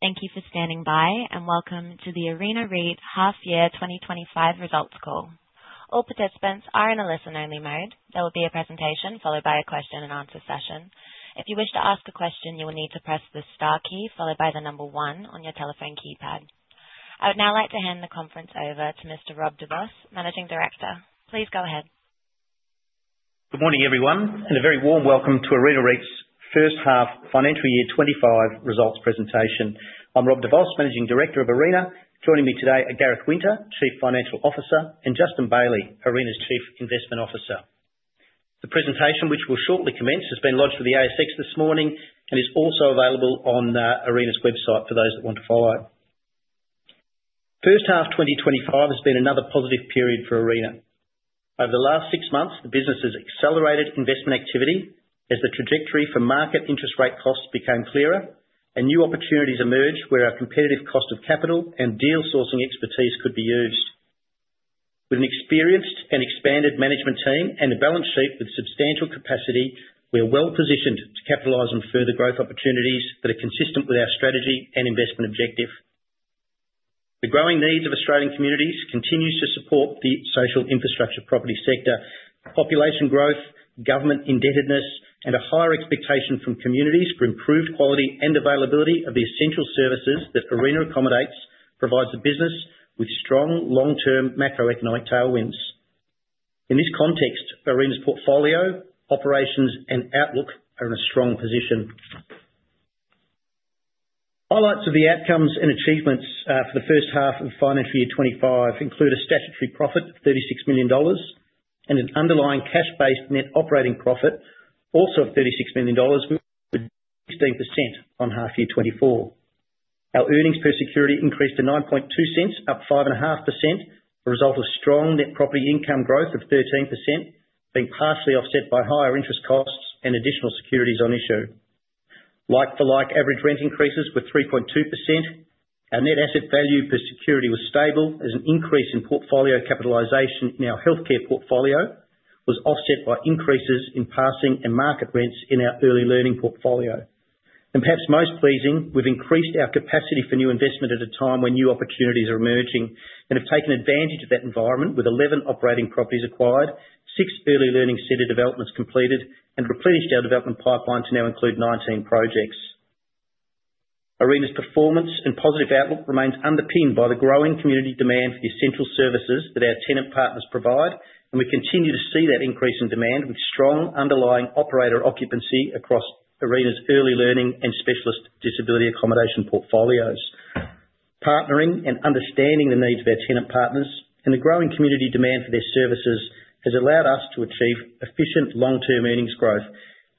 Thank you for standing by, and welcome to the Arena REIT half-year 2025 results call. All participants are in a listen-only mode. There will be a presentation followed by a question-and-answer session. If you wish to ask a question, you will need to press the star key followed by the number one on your telephone keypad. I would now like to hand the conference over to Mr. Rob de Vos, Managing Director. Please go ahead. Good morning, everyone, and a very warm welcome to Arena REIT's first half financial year 2025 results presentation. I'm Rob de Vos, Managing Director of Arena. Joining me today are Gareth Winter, Chief Financial Officer, and Justin Bailey, Arena's Chief Investment Officer. The presentation, which will shortly commence, has been launched for the ASX this morning and is also available on Arena's website for those that want to follow. First half 2025 has been another positive period for Arena. Over the last six months, the business has accelerated investment activity as the trajectory for market interest rate costs became clearer and new opportunities emerged where our competitive cost of capital and deal-sourcing expertise could be used. With an experienced and expanded management team and a balance sheet with substantial capacity, we are well-positioned to capitalize on further growth opportunities that are consistent with our strategy and investment objective. The growing needs of Australian communities continue to support the social infrastructure property sector, population growth, government indebtedness, and a higher expectation from communities for improved quality and availability of the essential services that Arena REIT provides the business with strong long-term macroeconomic tailwinds. In this context, Arena REIT's portfolio, operations, and outlook are in a strong position. Highlights of the outcomes and achievements for the first half of financial year 2025 include a statutory profit of 36 million dollars and an underlying cash-based net operating profit also of 36 million dollars, which is 16% on half-year 2024. Our earnings per security increased to 0.092, up 5.5%, a result of strong net property income growth of 13%, being partially offset by higher interest costs and additional securities on issue. Like-for-like average rent increases were 3.2%. Our net asset value per security was stable as an increase in portfolio capitalization in our healthcare portfolio was offset by increases in passing and market rents in our early learning portfolio, and perhaps most pleasing, we've increased our capacity for new investment at a time when new opportunities are emerging and have taken advantage of that environment with 11 operating properties acquired, six early learning center developments completed, and replenished our development pipeline to now include 19 projects. Arena's performance and positive outlook remains underpinned by the growing community demand for the essential services that our tenant partners provide, and we continue to see that increase in demand with strong underlying operator occupancy across Arena's early learning and specialist disability accommodation portfolios. Partnering and understanding the needs of our tenant partners and the growing community demand for their services has allowed us to achieve efficient long-term earnings growth,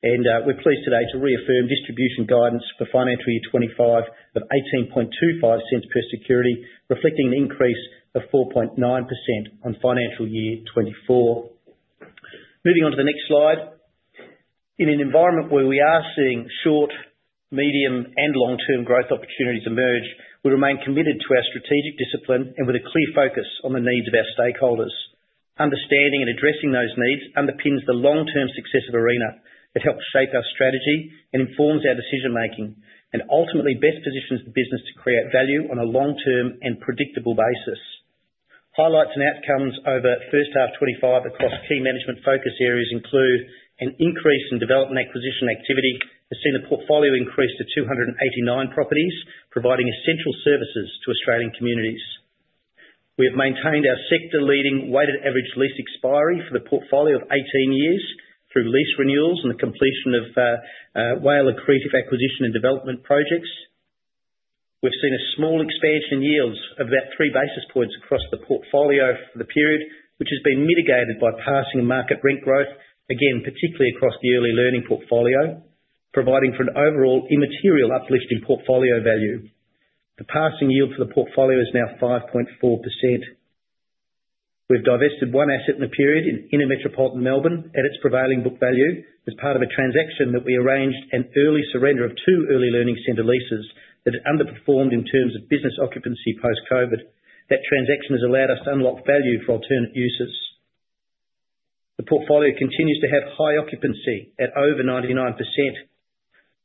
and we're pleased today to reaffirm distribution guidance for financial year 2025 of 0.1825 per security, reflecting an increase of 4.9% on financial year 2024. Moving on to the next slide. In an environment where we are seeing short, medium, and long-term growth opportunities emerge, we remain committed to our strategic discipline and with a clear focus on the needs of our stakeholders. Understanding and addressing those needs underpins the long-term success of Arena. It helps shape our strategy and informs our decision-making and ultimately best positions the business to create value on a long-term and predictable basis. Highlights and outcomes over first half 2025 across key management focus areas include an increase in development acquisition activity. We've seen the portfolio increase to 289 properties, providing essential services to Australian communities. We have maintained our sector-leading weighted average lease expiry for the portfolio of 18 years through lease renewals and the completion of WALE-accretive acquisition and development projects. We've seen a small expansion in yields of about three basis points across the portfolio for the period, which has been mitigated by passing and market rent growth, again, particularly across the early learning portfolio, providing for an overall immaterial uplift in portfolio value. The passing yield for the portfolio is now 5.4%. We've divested one asset in the period in inner metropolitan Melbourne at its prevailing book value as part of a transaction that we arranged an early surrender of two early learning center leases that had underperformed in terms of business occupancy post-COVID. That transaction has allowed us to unlock value for alternate uses. The portfolio continues to have high occupancy at over 99%.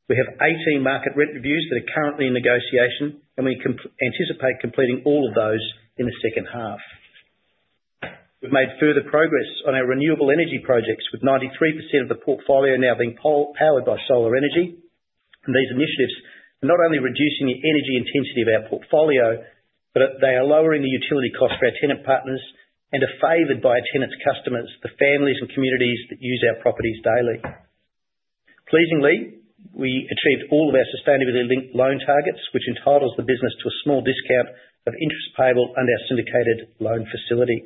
We have 18 market rent reviews that are currently in negotiation, and we anticipate completing all of those in the second half. We've made further progress on our renewable energy projects with 93% of the portfolio now being powered by solar energy. These initiatives are not only reducing the energy intensity of our portfolio, but they are lowering the utility costs for our tenant partners and are favored by our tenants' customers, the families and communities that use our properties daily. Pleasingly, we achieved all of our sustainability-linked loan targets, which entitles the business to a small discount of interest payable under our syndicated loan facility.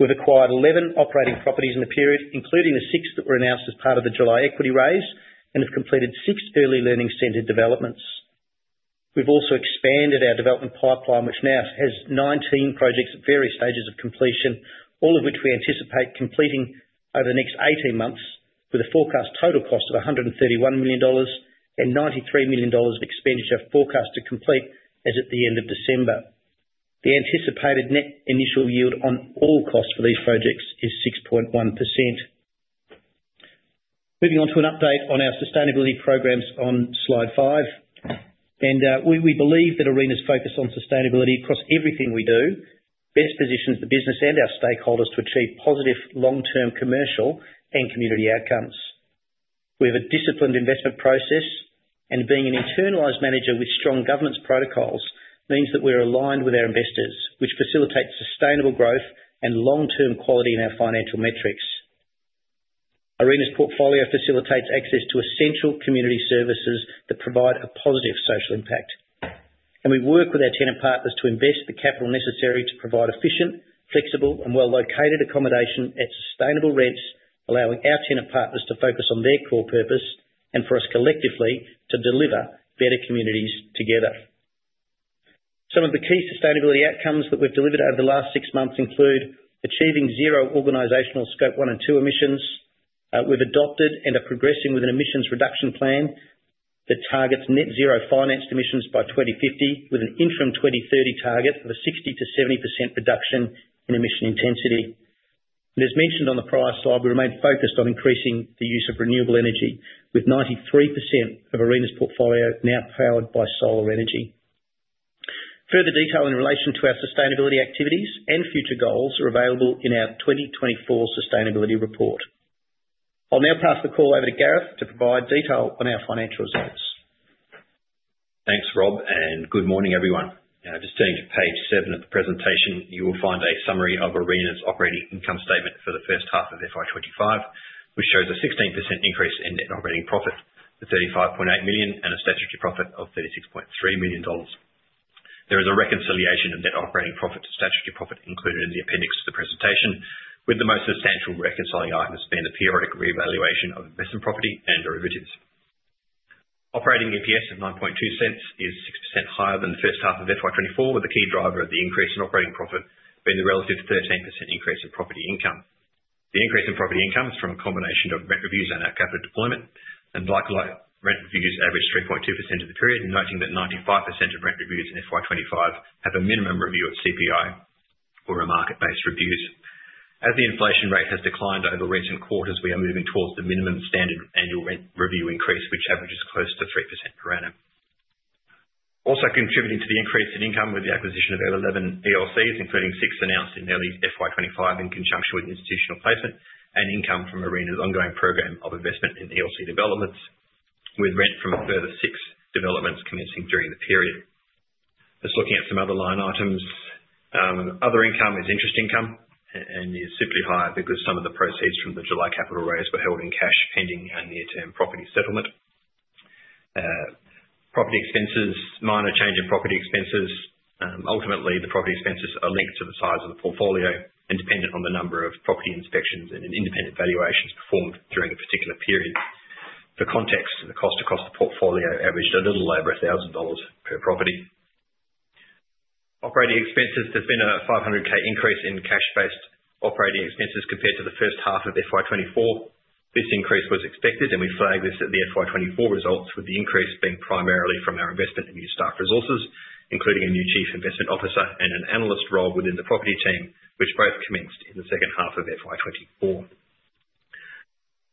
We've acquired 11 operating properties in the period, including the six that were announced as part of the July equity raise, and have completed six early learning center developments. We've also expanded our development pipeline, which now has 19 projects at various stages of completion, all of which we anticipate completing over the next 18 months with a forecast total cost of 131 million dollars and 93 million dollars of expenditure forecast to complete as at the end of December. The anticipated net initial yield on all costs for these projects is 6.1%. Moving on to an update on our sustainability programs on slide five, and we believe that Arena's focus on sustainability across everything we do best positions the business and our stakeholders to achieve positive long-term commercial and community outcomes. We have a disciplined investment process, and being an internalized manager with strong governance protocols means that we're aligned with our investors, which facilitates sustainable growth and long-term quality in our financial metrics. Arena's portfolio facilitates access to essential community services that provide a positive social impact. And we work with our tenant partners to invest the capital necessary to provide efficient, flexible, and well-located accommodation at sustainable rents, allowing our tenant partners to focus on their core purpose and for us collectively to deliver better communities together. Some of the key sustainability outcomes that we've delivered over the last six months include achieving zero organizational Scope 1 and 2 emissions. We've adopted and are progressing with an emissions reduction plan that targets Net Zero financed emissions by 2050 with an interim 2030 target of a 60%-70% reduction in emission intensity. And as mentioned on the prior slide, we remain focused on increasing the use of renewable energy, with 93% of Arena's portfolio now powered by solar energy. Further detail in relation to our sustainability activities and future goals are available in our 2024 sustainability report. I'll now pass the call over to Gareth to provide detail on our financial results. Thanks, Rob, and good morning, everyone. Just turning to Page 7 of the presentation, you will find a summary of Arena's operating income statement for the first half of FY 2025, which shows a 16% increase in net operating profit to 35.8 million and a statutory profit of 36.3 million dollars. There is a reconciliation of net operating profit to statutory profit included in the appendix to the presentation, with the most substantial reconciling item has been the periodic re-evaluation of investment property and derivatives. Operating EPS of 0.092 is 6% higher than the first half of FY 2024, with the key driver of the increase in operating profit being the relative 13% increase in property income. The increase in property income is from a combination of rent reviews and our capital deployment, and likewise, rent reviews averaged 3.2% of the period, noting that 95% of rent reviews in FY 2025 have a minimum review at CPI or a market-based review. As the inflation rate has declined over recent quarters, we are moving towards the minimum standard annual rent review increase, which averages close to 3% per annum. Also contributing to the increase in income was the acquisition of 11 ELCs, including six announced in early FY 2025 in conjunction with institutional placement and income from Arena's ongoing program of investment in ELC developments, with rent from a further six developments commencing during the period. Just looking at some other line items, other income is interest income and is simply higher because some of the proceeds from the July capital raise were held in cash pending our near-term property settlement. Property expenses, minor change in property expenses. Ultimately, the property expenses are linked to the size of the portfolio and dependent on the number of property inspections and independent valuations performed during a particular period. For context, the cost across the portfolio averaged a little over 1,000 dollars per property. Operating expenses, there's been an 500,000 increase in cash-based operating expenses compared to the first half of FY 2024. This increase was expected, and we flagged this at the FY 2024 results, with the increase being primarily from our investment and new staff resources, including a new Chief Investment Officer and an analyst role within the property team, which both commenced in the second half of FY 2024.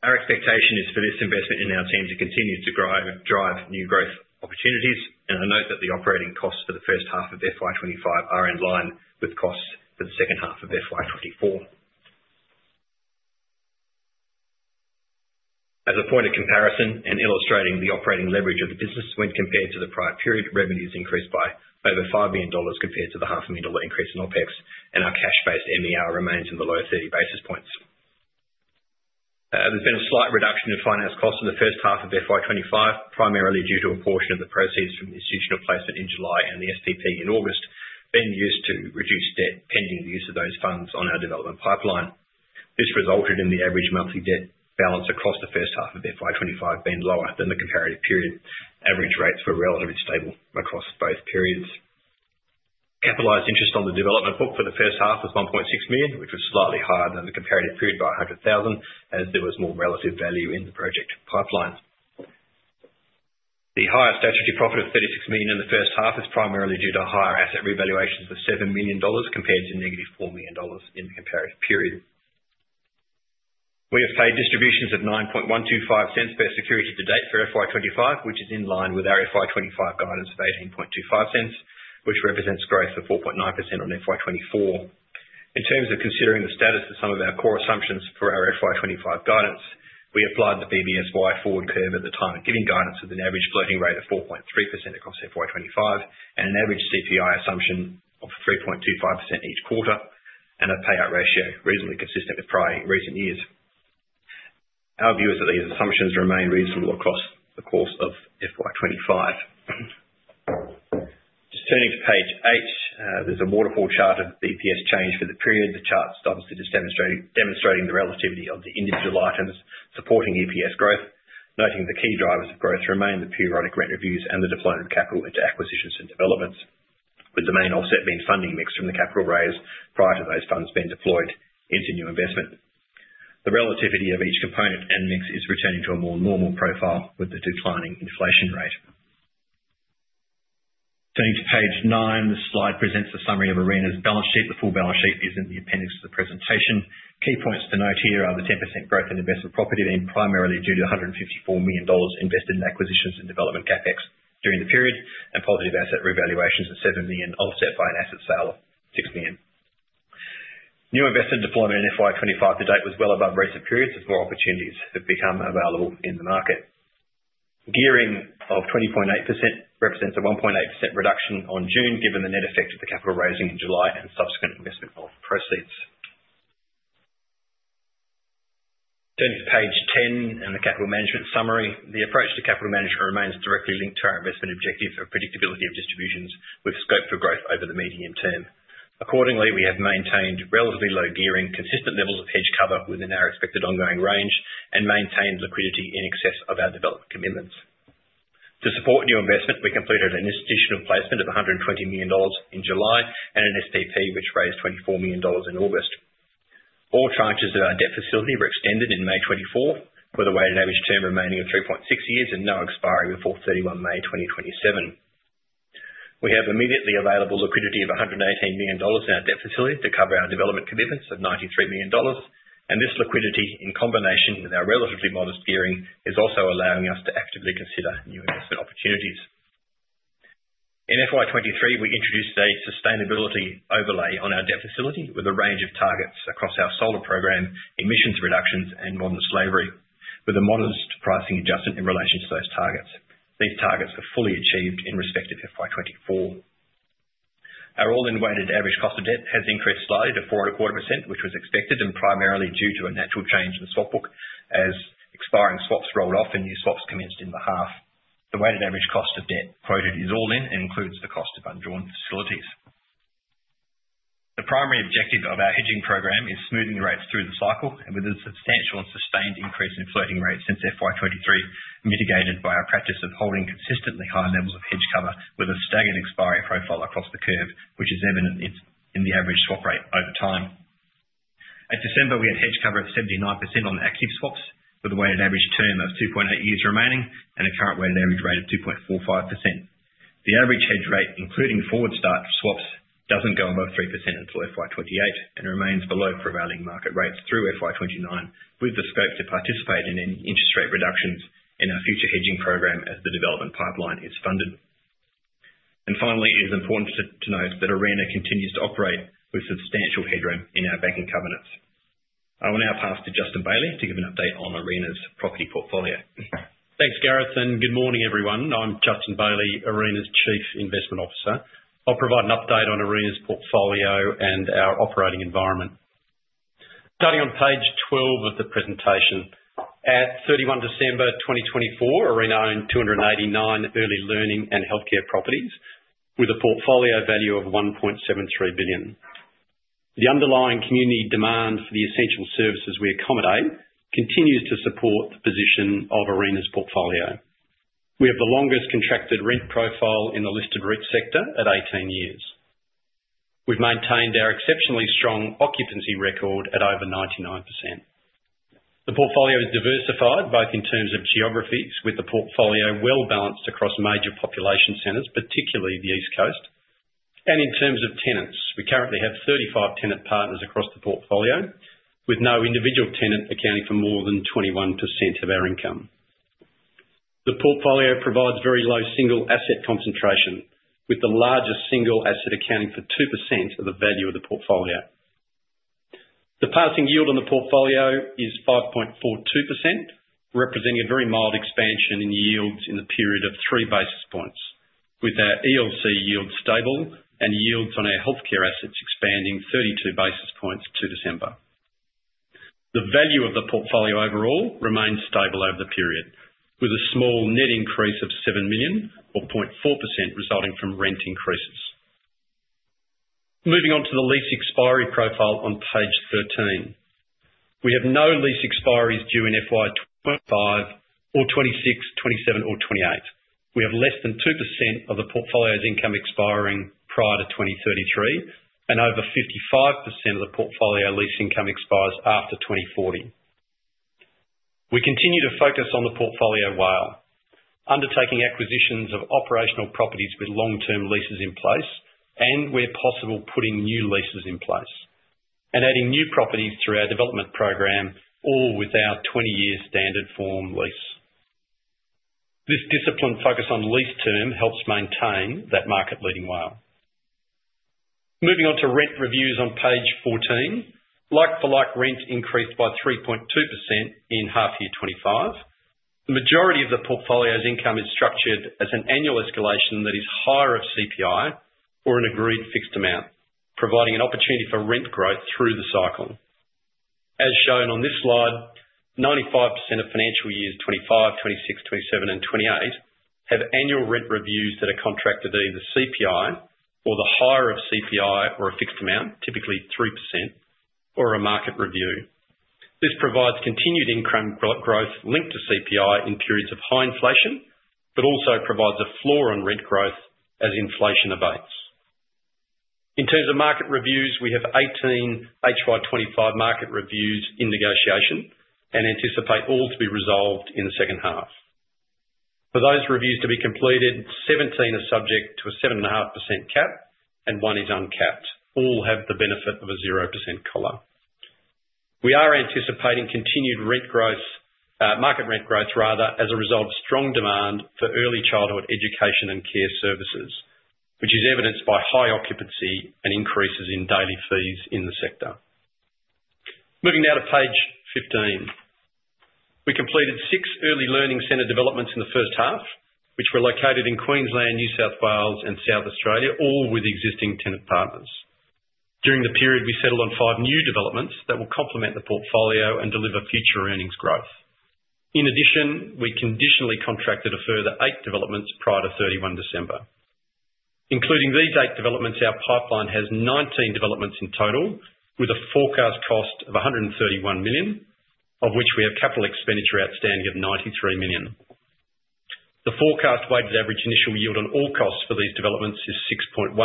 Our expectation is for this investment in our team to continue to drive new growth opportunities, and I note that the operating costs for the first half of FY 2025 are in line with costs for the second half of FY 2024. As a point of comparison and illustrating the operating leverage of the business, when compared to the prior period, revenues increased by over 5 million dollars compared to the 0.5 million dollar increase in OpEx, and our cash-based MER remains in the low 30 basis points. There's been a slight reduction in finance costs in the first half of FY 2025, primarily due to a portion of the proceeds from institutional placement in July and the SPP in August being used to reduce debt pending the use of those funds on our development pipeline. This resulted in the average monthly debt balance across the first half of FY 2025 being lower than the comparative period. Average rates were relatively stable across both periods. Capitalized interest on the development book for the first half was 1.6 million, which was slightly higher than the comparative period by 100,000, as there was more relative value in the project pipeline. The higher statutory profit of AUD 36 million in the first half is primarily due to higher asset revaluations of AUD 7 million compared to negative AUD 4 million in the comparative period. We have paid distributions of 0.09125 per security to date for FY 2025, which is in line with our FY 2025 guidance of 0.1825, which represents growth of 4.9% on FY 2024. In terms of considering the status of some of our core assumptions for our FY 2025 guidance, we applied the BBSY forward curve at the time of giving guidance with an average floating rate of 4.3% across FY 2025 and an average CPI assumption of 3.25% each quarter and a payout ratio reasonably consistent with prior recent years. Our view is that these assumptions remain reasonable across the course of FY 2025. Just turning to page eight, there's a waterfall chart of EPS change for the period. The chart starts to just demonstrate the relativity of the individual items supporting EPS growth, noting the key drivers of growth remain the periodic rent reviews and the deployment of capital into acquisitions and developments, with the main offset being funding mix from the capital raise prior to those funds being deployed into new investment. The relativity of each component and mix is returning to a more normal profile with the declining inflation rate. Turning to page nine, the slide presents a summary of Arena's balance sheet. The full balance sheet is in the appendix to the presentation. Key points to note here are the 10% growth in investment property being primarily due to AUD 154 million invested in acquisitions and development CapEx during the period and positive asset revaluations of AUD 7 million offset by an asset sale of AUD 6 million. New investment deployment in FY 2025 to date was well above recent periods of more opportunities that have become available in the market. Gearing of 20.8% represents a 1.8% reduction on June, given the net effect of the capital raising in July and subsequent investment of proceeds. Turning to page 10 and the capital management summary, the approach to capital management remains directly linked to our investment objective of predictability of distributions with scope for growth over the medium term. Accordingly, we have maintained relatively low gearing, consistent levels of hedge cover within our expected ongoing range, and maintained liquidity in excess of our development commitments. To support new investment, we completed an institutional placement of 120 million dollars in July and an SPP, which raised 24 million dollars in August. All charges at our debt facility were extended in May 2024, with a weighted average term remaining of 3.6 years and now expiring before 31 May 2027. We have immediately available liquidity of 118 million dollars in our debt facility to cover our development commitments of 93 million dollars, and this liquidity, in combination with our relatively modest gearing, is also allowing us to actively consider new investment opportunities. In FY 2023, we introduced a sustainability overlay on our debt facility with a range of targets across our solar program, emissions reductions, and modern slavery, with a modest pricing adjustment in relation to those targets. These targets were fully achieved in respect of FY 2024. Our all-in weighted average cost of debt has increased slightly to 4.25%, which was expected and primarily due to a natural change in the swap book as expiring swaps rolled off and new swaps commenced in the half. The weighted average cost of debt quoted is all-in and includes the cost of undrawn facilities. The primary objective of our hedging program is smoothing the rates through the cycle, and with a substantial and sustained increase in floating rates since FY 2023, mitigated by our practice of holding consistently high levels of hedge cover with a staggered expiry profile across the curve, which is evident in the average swap rate over time. At December, we had hedge cover of 79% on active swaps with a weighted average term of 2.8 years remaining and a current weighted average rate of 2.45%. The average hedge rate, including forward start swaps, doesn't go above 3% until FY 2028 and remains below prevailing market rates through FY 2029, with the scope to participate in any interest rate reductions in our future hedging program as the development pipeline is funded. Finally, it is important to note that Arena continues to operate with substantial headroom in our banking covenants. I will now pass to Justin Bailey to give an update on Arena's property portfolio. Thanks, Gareth, and good morning, everyone. I'm Justin Bailey, Arena's Chief Investment Officer. I'll provide an update on Arena's portfolio and our operating environment. Starting on page 12 of the presentation, at 31 December 2024, Arena owned 289 early learning and healthcare properties with a portfolio value of 1.73 billion. The underlying community demand for the essential services we accommodate continues to support the position of Arena's portfolio. We have the longest contracted rent profile in the listed rent sector at 18 years. We've maintained our exceptionally strong occupancy record at over 99%. The portfolio is diversified both in terms of geographies, with the portfolio well balanced across major population centres, particularly the East Coast, and in terms of tenants. We currently have 35 tenant partners across the portfolio, with no individual tenant accounting for more than 21% of our income. The portfolio provides very low single asset concentration, with the largest single asset accounting for 2% of the value of the portfolio. The passing yield on the portfolio is 5.42%, representing a very mild expansion in yields in the period of three basis points, with our ELC yields stable and yields on our healthcare assets expanding 32 basis points to December. The value of the portfolio overall remains stable over the period, with a small net increase of 7 million, or 0.4%, resulting from rent increases. Moving on to the lease expiry profile on Page 13, we have no lease expiries due in FY 2025 or 2026, 2027, or 2028. We have less than 2% of the portfolio's income expiring prior to 2033 and over 55% of the portfolio lease income expires after 2040. We continue to focus on the portfolio while undertaking acquisitions of operational properties with long-term leases in place and where possible, putting new leases in place and adding new properties through our development program, all with our 20-year standard form lease. This disciplined focus on lease term helps maintain that market-leading WALE. Moving on to rent reviews on page 14, like-for-like rent increased by 3.2% in half-year 2025. The majority of the portfolio's income is structured as an annual escalation that is the higher of CPI or an agreed fixed amount, providing an opportunity for rent growth through the cycle. As shown on this slide, 95% of financial years 2025, 2026, 2027, and 2028 have annual rent reviews that are contracted either CPI or the higher of CPI or a fixed amount, typically 3%, or a market review. This provides continued income growth linked to CPI in periods of high inflation, but also provides a floor on rent growth as inflation abates. In terms of market reviews, we have 18 HY25 market reviews in negotiation and anticipate all to be resolved in the second half. For those reviews to be completed, 17 are subject to a 7.5% cap and one is uncapped. All have the benefit of a 0% collar. We are anticipating continued rent growth, market rent growth, rather, as a result of strong demand for early childhood education and care services, which is evidenced by high occupancy and increases in daily fees in the sector. Moving now to page 15, we completed six early learning center developments in the first half, which were located in Queensland, New South Wales, and South Australia, all with existing tenant partners. During the period, we settled on five new developments that will complement the portfolio and deliver future earnings growth. In addition, we conditionally contracted a further eight developments prior to 31 December. Including these eight developments, our pipeline has 19 developments in total with a forecast cost of AUD 131 million, of which we have capital expenditure outstanding of AUD 93 million. The forecast weighted average initial yield on all costs for these developments is 6.1%,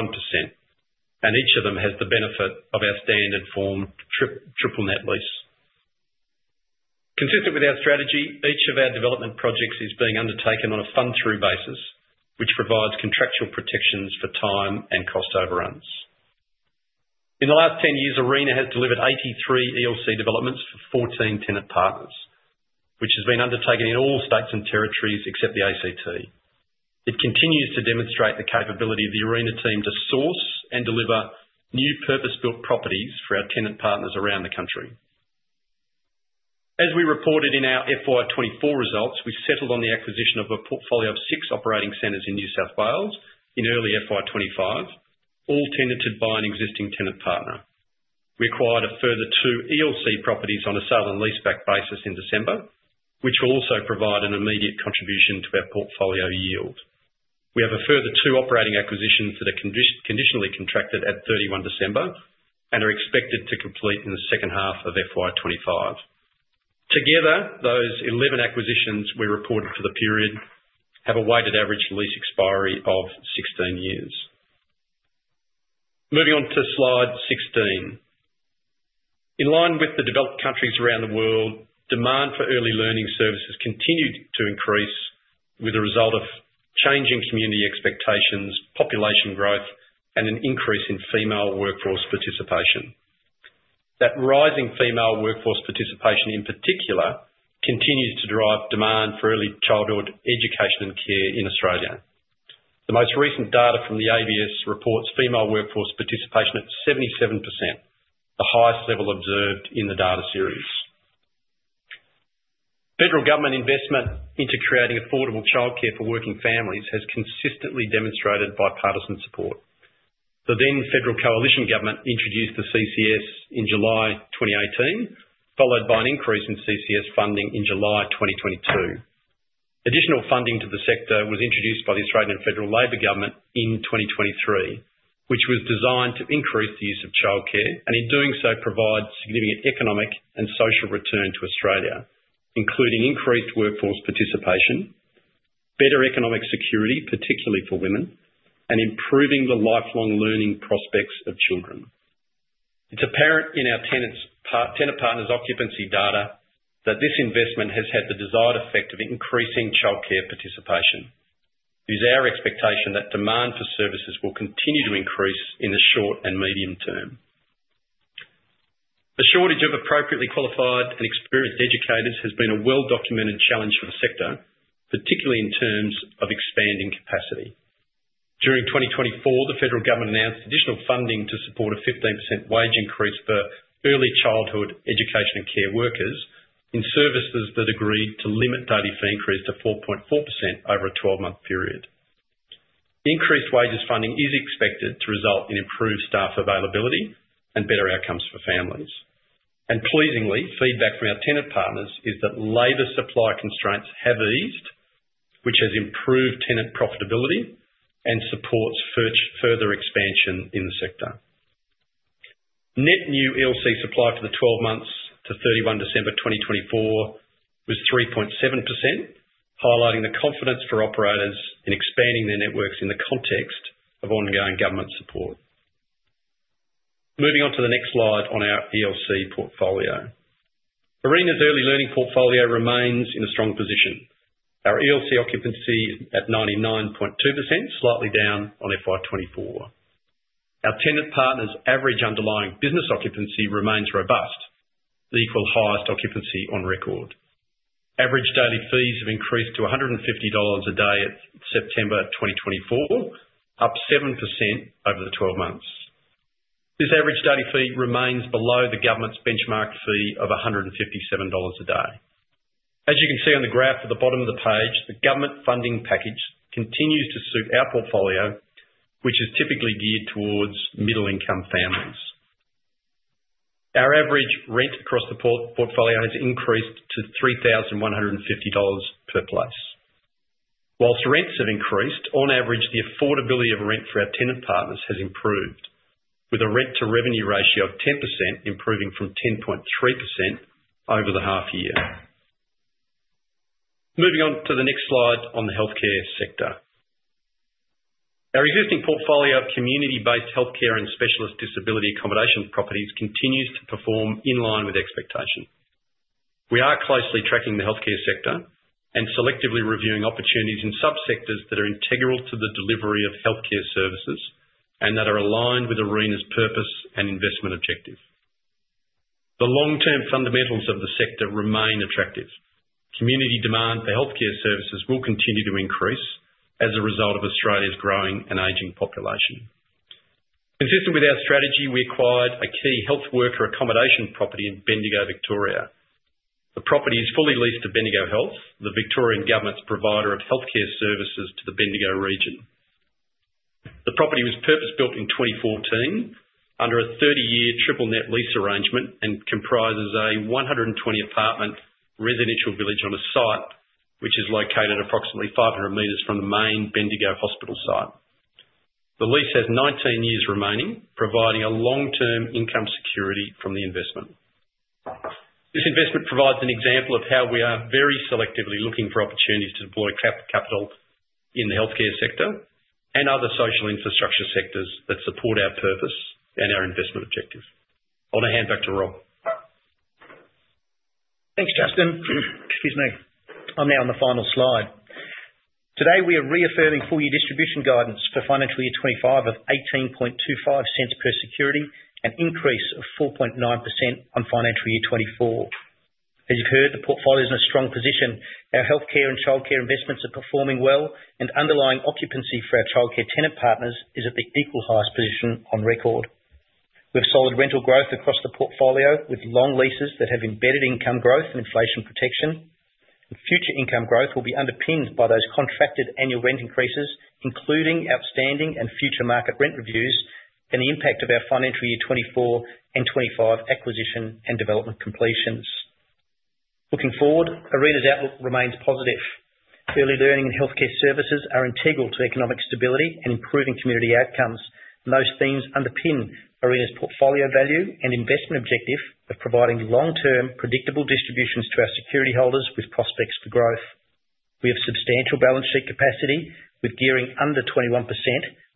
and each of them has the benefit of our standard form triple net lease. Consistent with our strategy, each of our development projects is being undertaken on a fund-through basis, which provides contractual protections for time and cost overruns. In the last 10 years, Arena has delivered 83 ELC developments for 14 tenant partners, which has been undertaken in all states and territories except the ACT. It continues to demonstrate the capability of the Arena team to source and deliver new purpose-built properties for our tenant partners around the country. As we reported in our FY 2024 results, we settled on the acquisition of a portfolio of six operating centers in New South Wales in early FY 2025, all tenanted by an existing tenant partner. We acquired a further two ELC properties on a sale and leaseback basis in December, which will also provide an immediate contribution to our portfolio yield. We have a further two operating acquisitions that are conditionally contracted at 31 December and are expected to complete in the second half of FY 2025. Together, those 11 acquisitions we reported for the period have a weighted average lease expiry of 16 years. Moving on to slide 16, in line with the developed countries around the world, demand for early learning services continued to increase as a result of changing community expectations, population growth, and an increase in female workforce participation. That rising female workforce participation, in particular, continues to drive demand for early childhood education and care in Australia. The most recent data from the ABS reports female workforce participation at 77%, the highest level observed in the data series. Federal government investment into creating affordable childcare for working families has consistently demonstrated bipartisan support. The then federal coalition government introduced the CCS in July 2018, followed by an increase in CCS funding in July 2022. Additional funding to the sector was introduced by the Australian Federal Labor Government in 2023, which was designed to increase the use of child care and, in doing so, provide significant economic and social return to Australia, including increased workforce participation, better economic security, particularly for women, and improving the lifelong learning prospects of children. It's apparent in our tenant partners' occupancy data that this investment has had the desired effect of increasing child care participation. It is our expectation that demand for services will continue to increase in the short and medium term. The shortage of appropriately qualified and experienced educators has been a well-documented challenge for the sector, particularly in terms of expanding capacity. During 2024, the federal government announced additional funding to support a 15% wage increase for early childhood education and care workers in services that agreed to limit daily fee increase to 4.4% over a 12-month period. Increased wages funding is expected to result in improved staff availability and better outcomes for families, and pleasingly, feedback from our tenant partners is that labor supply constraints have eased, which has improved tenant profitability and supports further expansion in the sector. Net new ELC supply for the 12 months to 31 December 2024 was 3.7%, highlighting the confidence for operators in expanding their networks in the context of ongoing government support. Moving on to the next slide on our ELC portfolio, Arena's early learning portfolio remains in a strong position. Our ELC occupancy is at 99.2%, slightly down on FY 2024. Our tenant partners' average underlying business occupancy remains robust, the equal highest occupancy on record. Average daily fees have increased to 150 dollars a day at September 2024, up 7% over the 12 months. This average daily fee remains below the government's benchmark fee of 157 dollars a day. As you can see on the graph at the bottom of the page, the government funding package continues to suit our portfolio, which is typically geared towards middle-income families. Our average rent across the portfolio has increased to 3,150 dollars per place. While rents have increased, on average, the affordability of rent for our tenant partners has improved, with a rent-to-revenue ratio of 10% improving from 10.3% over the half-year. Moving on to the next slide on the healthcare sector, our existing portfolio of community-based healthcare and specialist disability accommodation properties continues to perform in line with expectation. We are closely tracking the healthcare sector and selectively reviewing opportunities in subsectors that are integral to the delivery of healthcare services and that are aligned with Arena's purpose and investment objective. The long-term fundamentals of the sector remain attractive. Community demand for healthcare services will continue to increase as a result of Australia's growing and aging population. Consistent with our strategy, we acquired a key health worker accommodation property in Bendigo, Victoria. The property is fully leased to Bendigo Health, the Victorian government's provider of healthcare services to the Bendigo region. The property was purpose-built in 2014 under a 30-year triple net lease arrangement and comprises a 120-apartment residential village on a site, which is located approximately 500 meters from the main Bendigo hospital site. The lease has 19 years remaining, providing a long-term income security from the investment. This investment provides an example of how we are very selectively looking for opportunities to deploy capital in the healthcare sector and other social infrastructure sectors that support our purpose and our investment objective. I'll now hand back to Rob. Thanks, Justin. Excuse me. I'm now on the final slide. Today, we are reaffirming full-year distribution guidance for financial year 25 of 0.1825 per security and an increase of 4.9% on financial year 24. As you've heard, the portfolio is in a strong position. Our healthcare and childcare investments are performing well, and underlying occupancy for our childcare tenant partners is at the equal highest position on record. We have solid rental growth across the portfolio with long leases that have embedded income growth and inflation protection. Future income growth will be underpinned by those contracted annual rent increases, including outstanding and future market rent reviews and the impact of our financial year 24 and 25 acquisition and development completions. Looking forward, Arena's outlook remains positive. Early learning and healthcare services are integral to economic stability and improving community outcomes. Those themes underpin Arena's portfolio value and investment objective of providing long-term predictable distributions to our security holders with prospects for growth. We have substantial balance sheet capacity with gearing under 21%,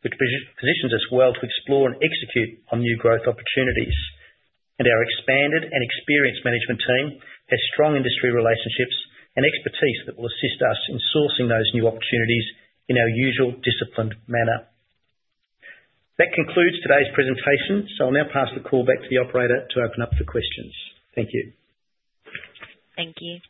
which positions us well to explore and execute on new growth opportunities. And our expanded and experienced management team has strong industry relationships and expertise that will assist us in sourcing those new opportunities in our usual disciplined manner. That concludes today's presentation, so I'll now pass the call back to the operator to open up for questions. Thank you. Thank you.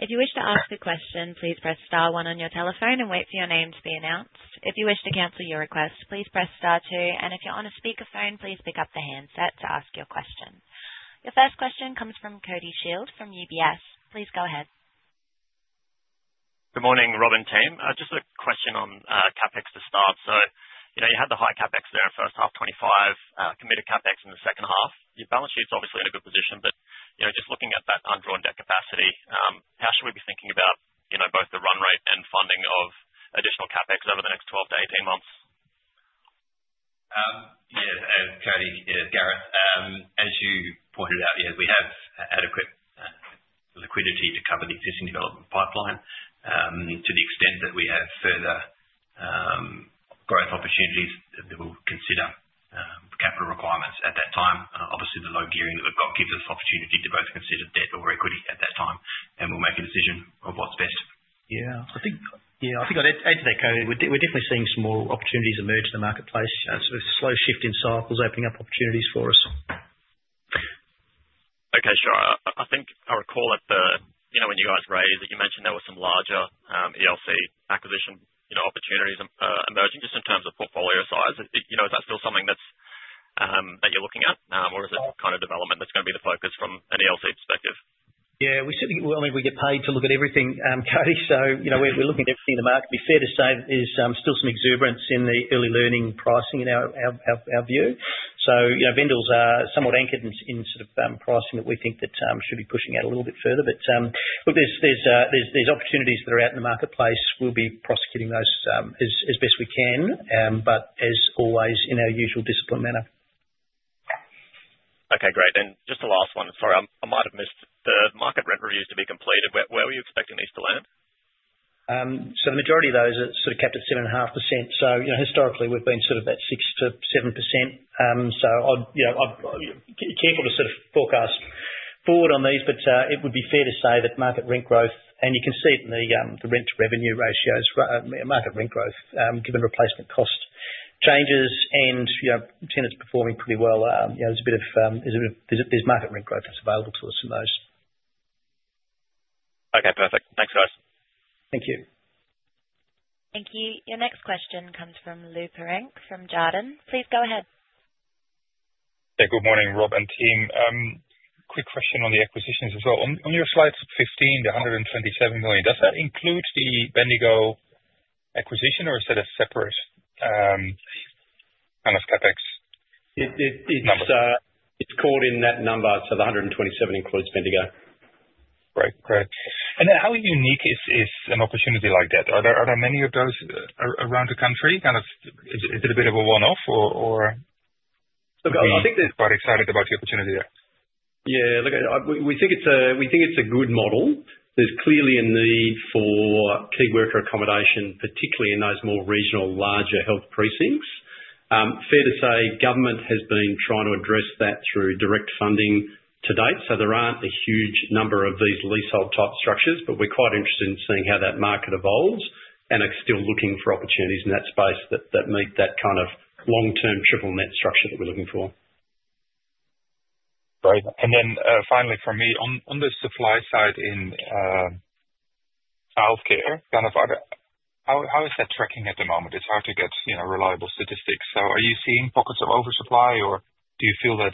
If you wish to ask a question, please press star one on your telephone and wait for your name to be announced. If you wish to cancel your request, please press star two. And if you're on a speakerphone, please pick up the handset to ask your question. Your first question comes from Cody Shield from UBS. Please go ahead. Good morning, Rob and team. Just a question on CapEx to start. So you had the high CapEx there in first half 2025, committed CapEx in the second half. Your balance sheet's obviously in a good position, but just looking at that undrawn debt capacity, how should we be thinking about both the run rate and funding of additional CapEx over the next 12 to 18 months? Yes, Cody, Gareth, as you pointed out, we have adequate liquidity to cover the existing development pipeline to the extent that we have further growth opportunities that we'll consider capital requirements at that time. Obviously, the low gearing that we've got gives us the opportunity to both consider debt or equity at that time, and we'll make a decision of what's best. Yeah. I think I'll add to that, Cody. We're definitely seeing some more opportunities emerge in the marketplace. It's a slow shift in cycles opening up opportunities for us. Okay, sure. I think I recall when you guys raised that you mentioned there were some larger ELC acquisition opportunities emerging just in terms of portfolio size. Is that still something that you're looking at, or is it the kind of development that's going to be the focus from an ELC perspective? Yeah. We certainly will. I mean, we get paid to look at everything, Cody, so we're looking at everything in the market. It'd be fair to say there's still some exuberance in the early learning pricing in our view. So vendors are somewhat anchored in sort of pricing that we think that should be pushing out a little bit further. But look, there's opportunities that are out in the marketplace. We'll be prosecuting those as best we can, but as always, in our usual disciplined manner. Okay, great. And just the last one. Sorry, I might have missed the market rent reviews to be completed. Where were you expecting these to land? So the majority of those are sort of capped at 7.5%. So historically, we've been sort of at 6%-7%. So I'm careful to sort of forecast forward on these, but it would be fair to say that market rent growth, and you can see it in the rent-to-revenue ratios, market rent growth given replacement cost changes and tenants performing pretty well, there's a bit of market rent growth that's available to us in those. Okay, perfect. Thanks, guys. Thank you. Thank you. Your next question comes from Lou Pirenc from Jarden. Please go ahead. Yeah. Good morning, Rob and team. Quick question on the acquisitions as well. On your slides, 15 million-127 million, does that include the Bendigo acquisition, or is that a separate kind of CapEx number? It's caught in that number, so the 127 includes Bendigo. Great, great. And then how unique is an opportunity like that? Are there many of those around the country? Is it a bit of a one-off, or? Look, I think they're quite excited about the opportunity there. Yeah. Look, we think it's a good model. There's clearly a need for key worker accommodation, particularly in those more regional, larger health precincts. Fair to say government has been trying to address that through direct funding to date, so there aren't a huge number of these leasehold-type structures, but we're quite interested in seeing how that market evolves and are still looking for opportunities in that space that meet that kind of long-term triple net structure that we're looking for. Great. And then finally for me, on the supply side in healthcare, kind of how is that tracking at the moment? It's hard to get reliable statistics. So are you seeing pockets of oversupply, or do you feel that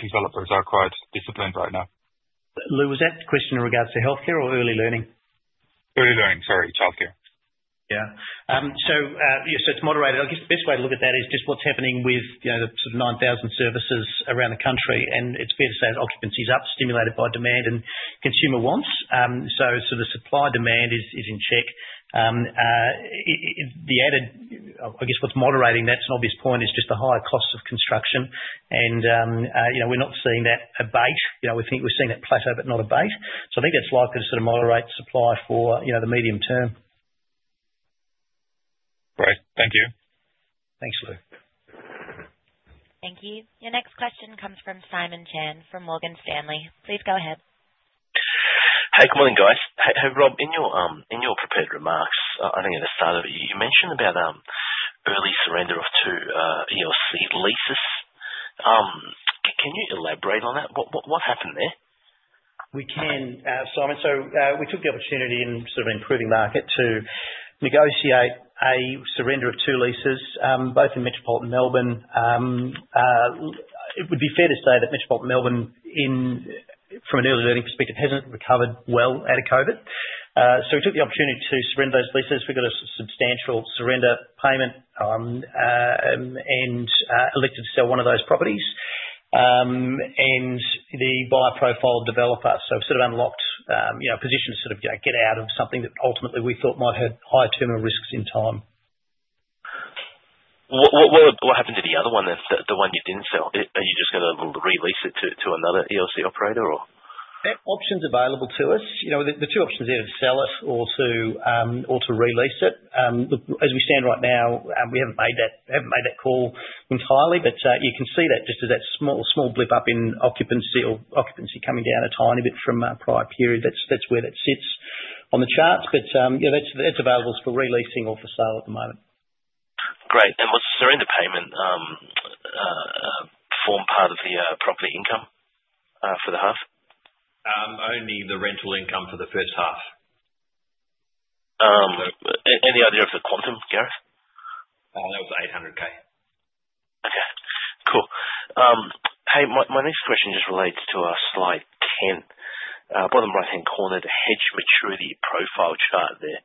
developers are quite disciplined right now? Lou, was that question in regards to healthcare or early learning? Early learning, sorry, childcare. Yeah. So it's moderated. I guess the best way to look at that is just what's happening with the sort of 9,000 services around the country. It's fair to say that occupancy is up, stimulated by demand and consumer wants. So sort of supply demand is in check. The added, I guess what's moderating that, it's an obvious point, is just the higher cost of construction. And we're not seeing that abate. We're seeing that plateau but not abate. So I think it's likely to sort of moderate supply for the medium term. Great. Thank you. Thanks, Lou. Thank you. Your next question comes from Simon Chan from Morgan Stanley. Please go ahead. Hey, good morning, guys. Hey, Rob, in your prepared remarks, I think at the start of it, you mentioned about early surrender of two ELC leases. Can you elaborate on that? What happened there? We can, Simon. So we took the opportunity in sort of an improving market to negotiate a surrender of two leases, both in metropolitan Melbourne. It would be fair to say that Metropolitan Melbourne, from an early learning perspective, hasn't recovered well out of COVID, so we took the opportunity to surrender those leases. We got a substantial surrender payment and elected to sell one of those properties and the bioprofile developer, so we've sort of unlocked a position to sort of get out of something that ultimately we thought might have higher terminal risks in time. What happened to the other one, the one you didn't sell? Are you just going to release it to another ELC operator, or? Options available to us. The two options there are to sell it or to release it. Look, as we stand right now, we haven't made that call entirely, but you can see that just as that small blip up in occupancy or occupancy coming down a tiny bit from a prior period, that's where that sits on the charts. But that's available for releasing or for sale at the moment. Great. And was the surrender payment form part of the property income for the half? Only the rental income for the first half. Any idea of the quantum, Gareth? That was 800,000. Okay. Cool. Hey, my next question just relates to Slide 10, bottom right-hand corner, the hedge maturity profile chart there.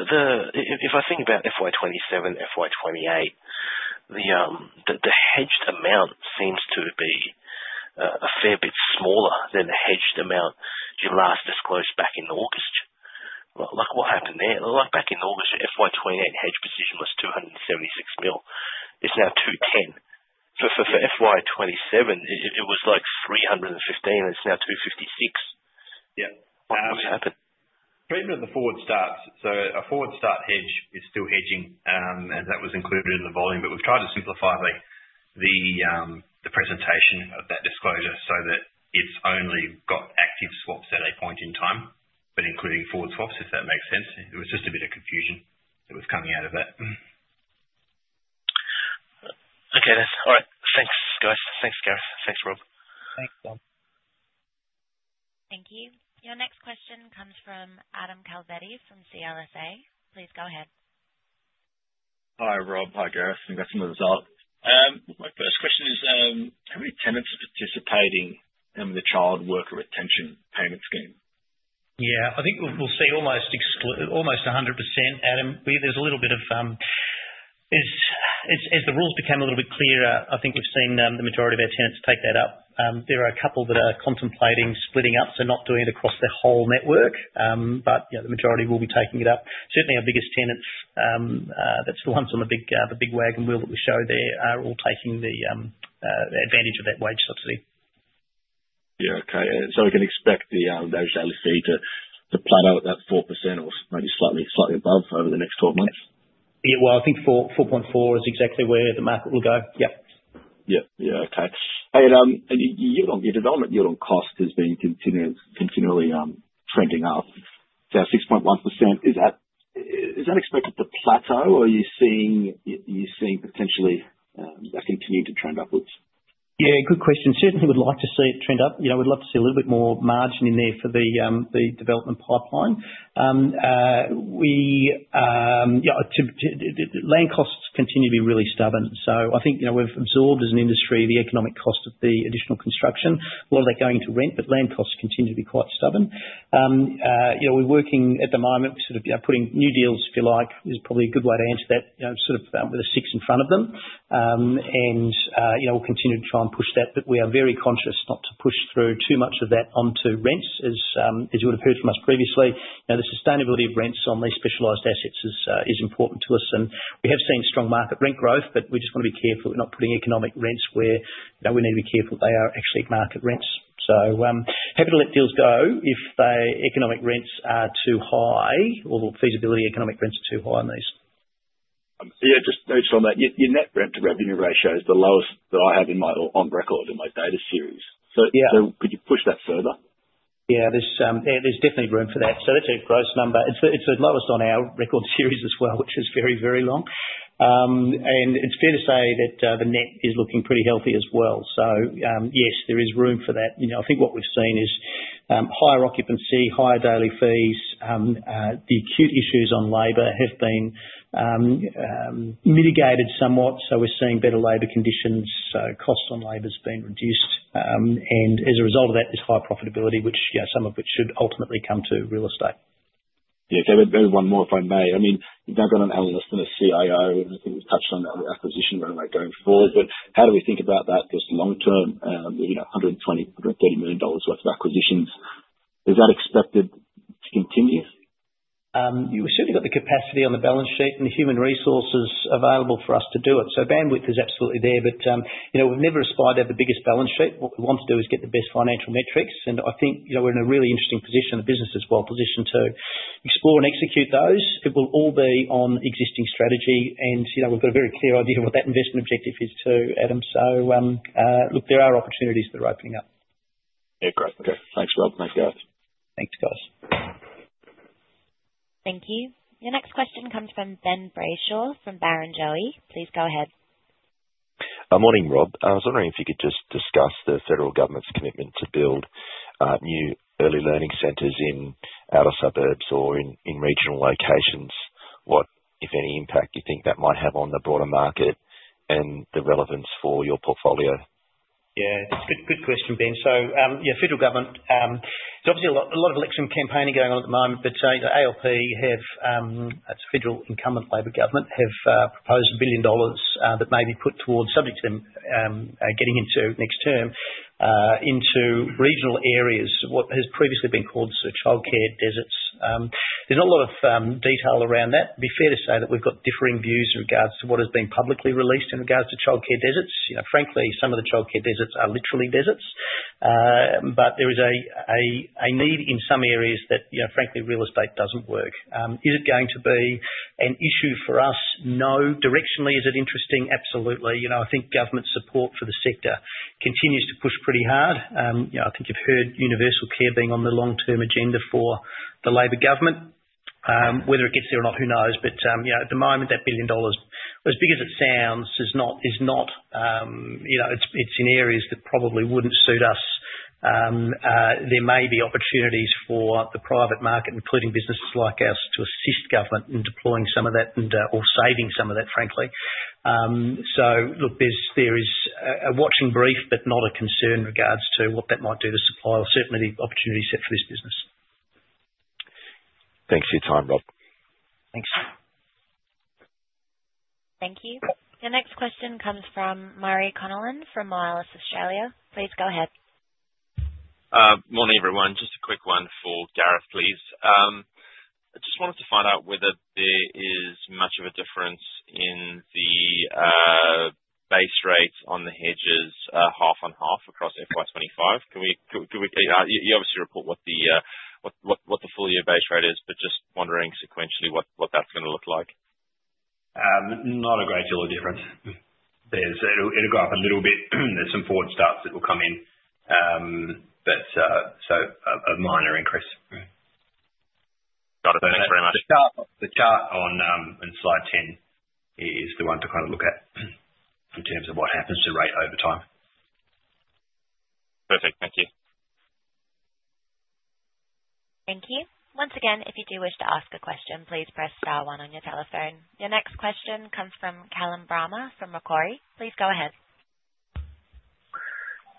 If I think about FY 2027, FY 2028, the hedged amount seems to be a fair bit smaller than the hedged amount you last disclosed back in August. Look what happened there. Back in August, your FY 2028 hedge position was 276 million. It's now 210 million. So for FY 2027, it was like 315, and it's now 256. Yeah. What's happened? Probably with the forward start. So a forward start hedge is still hedging, and that was included in the volume. But we've tried to simplify the presentation of that disclosure so that it's only got active swaps at a point in time, but including forward swaps, if that makes sense. It was just a bit of confusion that was coming out of that. Okay, then. All right. Thanks, guys. Thanks, Gareth. Thanks, Rob. Thanks, Justin. Thank you. Your next question comes from Adam Calvetti from CLSA. Please go ahead. Hi, Rob. Hi, Gareth. I've got some results. My first question is, how many tenants are participating in the child worker retention payment scheme? Yeah. I think we'll see almost 100%, Adam. There's a little bit, as the rules become a little bit clearer, I think we've seen the majority of our tenants take that up. There are a couple that are contemplating splitting up, so not doing it across their whole network, but the majority will be taking it up. Certainly, our biggest tenants, that's the ones on the big wagon wheel that we show there, are all taking the advantage of that wage subsidy. Yeah. Okay. So we can expect the ELC to plateau at that 4% or maybe slightly above over the next 12 months? Yeah. Well, I think 4.4% is exactly where the market will go. Yep. Yep. Yeah. Okay. And your development yield on cost has been continually trending up to 6.1%. Is that expected to plateau, or are you seeing potentially that continue to trend upwards? Yeah. Good question. Certainly, we'd like to see it trend up. We'd love to see a little bit more margin in there for the development pipeline. Land costs continue to be really stubborn. So I think we've absorbed as an industry the economic cost of the additional construction. A lot of that going to rent, but land costs continue to be quite stubborn. We're working at the moment sort of putting new deals, if you like, is probably a good way to answer that, sort of with a six in front of them. And we'll continue to try and push that, but we are very conscious not to push through too much of that onto rents, as you would have heard from us previously. The sustainability of rents on these specialized assets is important to us. We have seen strong market rent growth, but we just want to be careful that we're not putting economic rents where we need to be careful they are actually market rents. Happy to let deals go if the economic rents are too high or feasibility economic rents are too high on these. Yeah. Just noted on that. Your net rent to revenue ratio is the lowest that I have on record in my data series. Could you push that further? Yeah. There's definitely room for that. That's a gross number. It's the lowest on our record series as well, which is very, very long. It's fair to say that the net is looking pretty healthy as well. Yes, there is room for that. I think what we've seen is higher occupancy, higher daily fees. The acute issues on labor have been mitigated somewhat. So we're seeing better labor conditions. So cost on labor has been reduced. And as a result of that, there's high profitability, which some of which should ultimately come to real estate. Yeah. David, maybe one more if I may. I mean, you've now got an analyst and a CIO, and I think we've touched on the acquisition run rate going forward. But how do we think about that just long-term, 120 million-130 million dollars worth of acquisitions? Is that expected to continue? We certainly got the capacity on the balance sheet and the human resources available for us to do it. So bandwidth is absolutely there, but we've never aspired to have the biggest balance sheet. What we want to do is get the best financial metrics. And I think we're in a really interesting position. The business is well positioned to explore and execute those. It will all be on existing strategy, and we've got a very clear idea of what that investment objective is too, Adam, so look, there are opportunities that are opening up. Yeah. Great. Okay. Thanks, Rob. Thanks, Gareth. Thanks, guys. Thank you. Your next question comes from Ben Brayshaw from Barrenjoey. Please go ahead. Morning, Rob. I was wondering if you could just discuss the federal government's commitment to build new early learning centers in outer suburbs or in regional locations. What, if any, impact do you think that might have on the broader market and the relevance for your portfolio? Yeah. It's a good question, Ben. So yeah, federal government, there's obviously a lot of election campaigning going on at the moment, but ALP, that's the Federal Incumbent Labor Government, have proposed 1 billion dollars that may be put towards, subject to them getting into next term, into regional areas, what has previously been called childcare deserts. There's not a lot of detail around that. It'd be fair to say that we've got differing views in regards to what has been publicly released in regards to childcare deserts. Frankly, some of the childcare deserts are literally deserts, but there is a need in some areas that, frankly, real estate doesn't work. Is it going to be an issue for us? No. Directionally, is it interesting? Absolutely. I think government support for the sector continues to push pretty hard. I think you've heard universal care being on the long-term agenda for the Labor government. Whether it gets there or not, who knows. But at the moment, 1 billion dollars, as big as it sounds, is not. It's in areas that probably wouldn't suit us. There may be opportunities for the private market, including businesses like ours, to assist government in deploying some of that or saving some of that, frankly. So look, there is a watching brief, but not a concern in regards to what that might do to supply or certainly the opportunity set for this business. Thanks for your time, Rob. Thanks. Thank you. Your next question comes from Murray Conallin from Morgans Financial Limited, Australia. Please go ahead. Morning, everyone. Just a quick one for Gareth, please. I just wanted to find out whether there is much of a difference in the base rate on the hedges half and half across FY25. Can you obviously report what the full year base rate is, but just wondering sequentially what that's going to look like. Not a great deal of difference. It'll go up a little bit. There's some forward starts that will come in, but so a minor increase. Got it. Thanks very much. The chart on slide 10 is the one to kind of look at in terms of what happens to rate over time. Perfect. Thank you. Thank you. Once again, if you do wish to ask a question, please press star one on your telephone. Your next question comes from Callum Brammer from Macquarie. Please go ahead.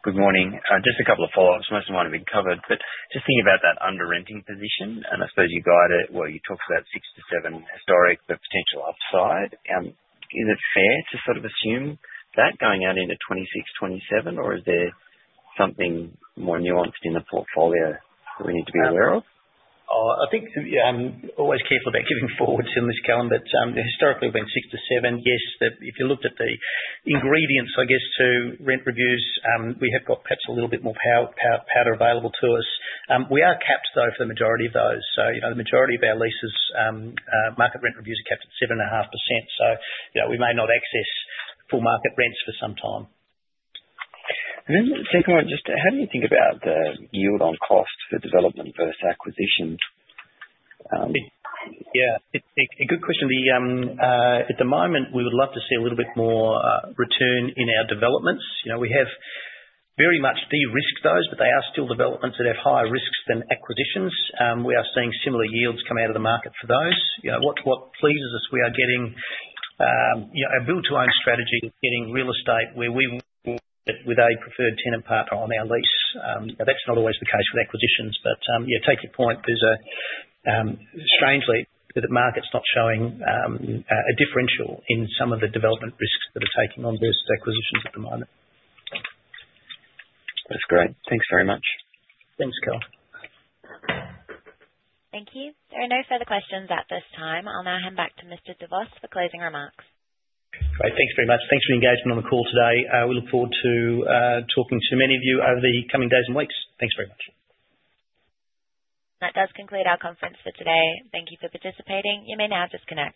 Good morning. Just a couple of follow-ups. Most of them might have been covered, but just thinking about that under-renting position, and I suppose you guide it where you talked about six to seven historic, but potential upside. Is it fair to sort of assume that going out into 2026, 2027, or is there something more nuanced in the portfolio that we need to be aware of? I think I'm always careful about giving forwards in this column, but historically, we've been six to seven. Yes, if you looked at the ingredients, I guess, to rent reviews, we have got perhaps a little bit more powder available to us. We are capped, though, for the majority of those. So the majority of our leases, market rent reviews are capped at 7.5%. So we may not access full market rents for some time. Then just how do you think about the yield on cost for development versus acquisition? Yeah. A good question. At the moment, we would love to see a little bit more return in our developments. We have very much de-risked those, but they are still developments that have higher risks than acquisitions. We are seeing similar yields come out of the market for those. What pleases us, we are getting a build-to-own strategy, getting real estate where we work with a preferred tenant partner on our lease. That's not always the case with acquisitions, but yeah, take your point. Strangely, the market's not showing a differential in some of the development risks that are taking on versus acquisitions at the moment. That's great. Thanks very much. Thanks, Cal. Thank you. There are no further questions at this time. I'll now hand back to Mr. de Vos for closing remarks. Great. Thanks very much. Thanks for your engagement on the call today. We look forward to talking to many of you over the coming days and weeks. Thanks very much. That does conclude our conference for today. Thank you for participating. You may now disconnect.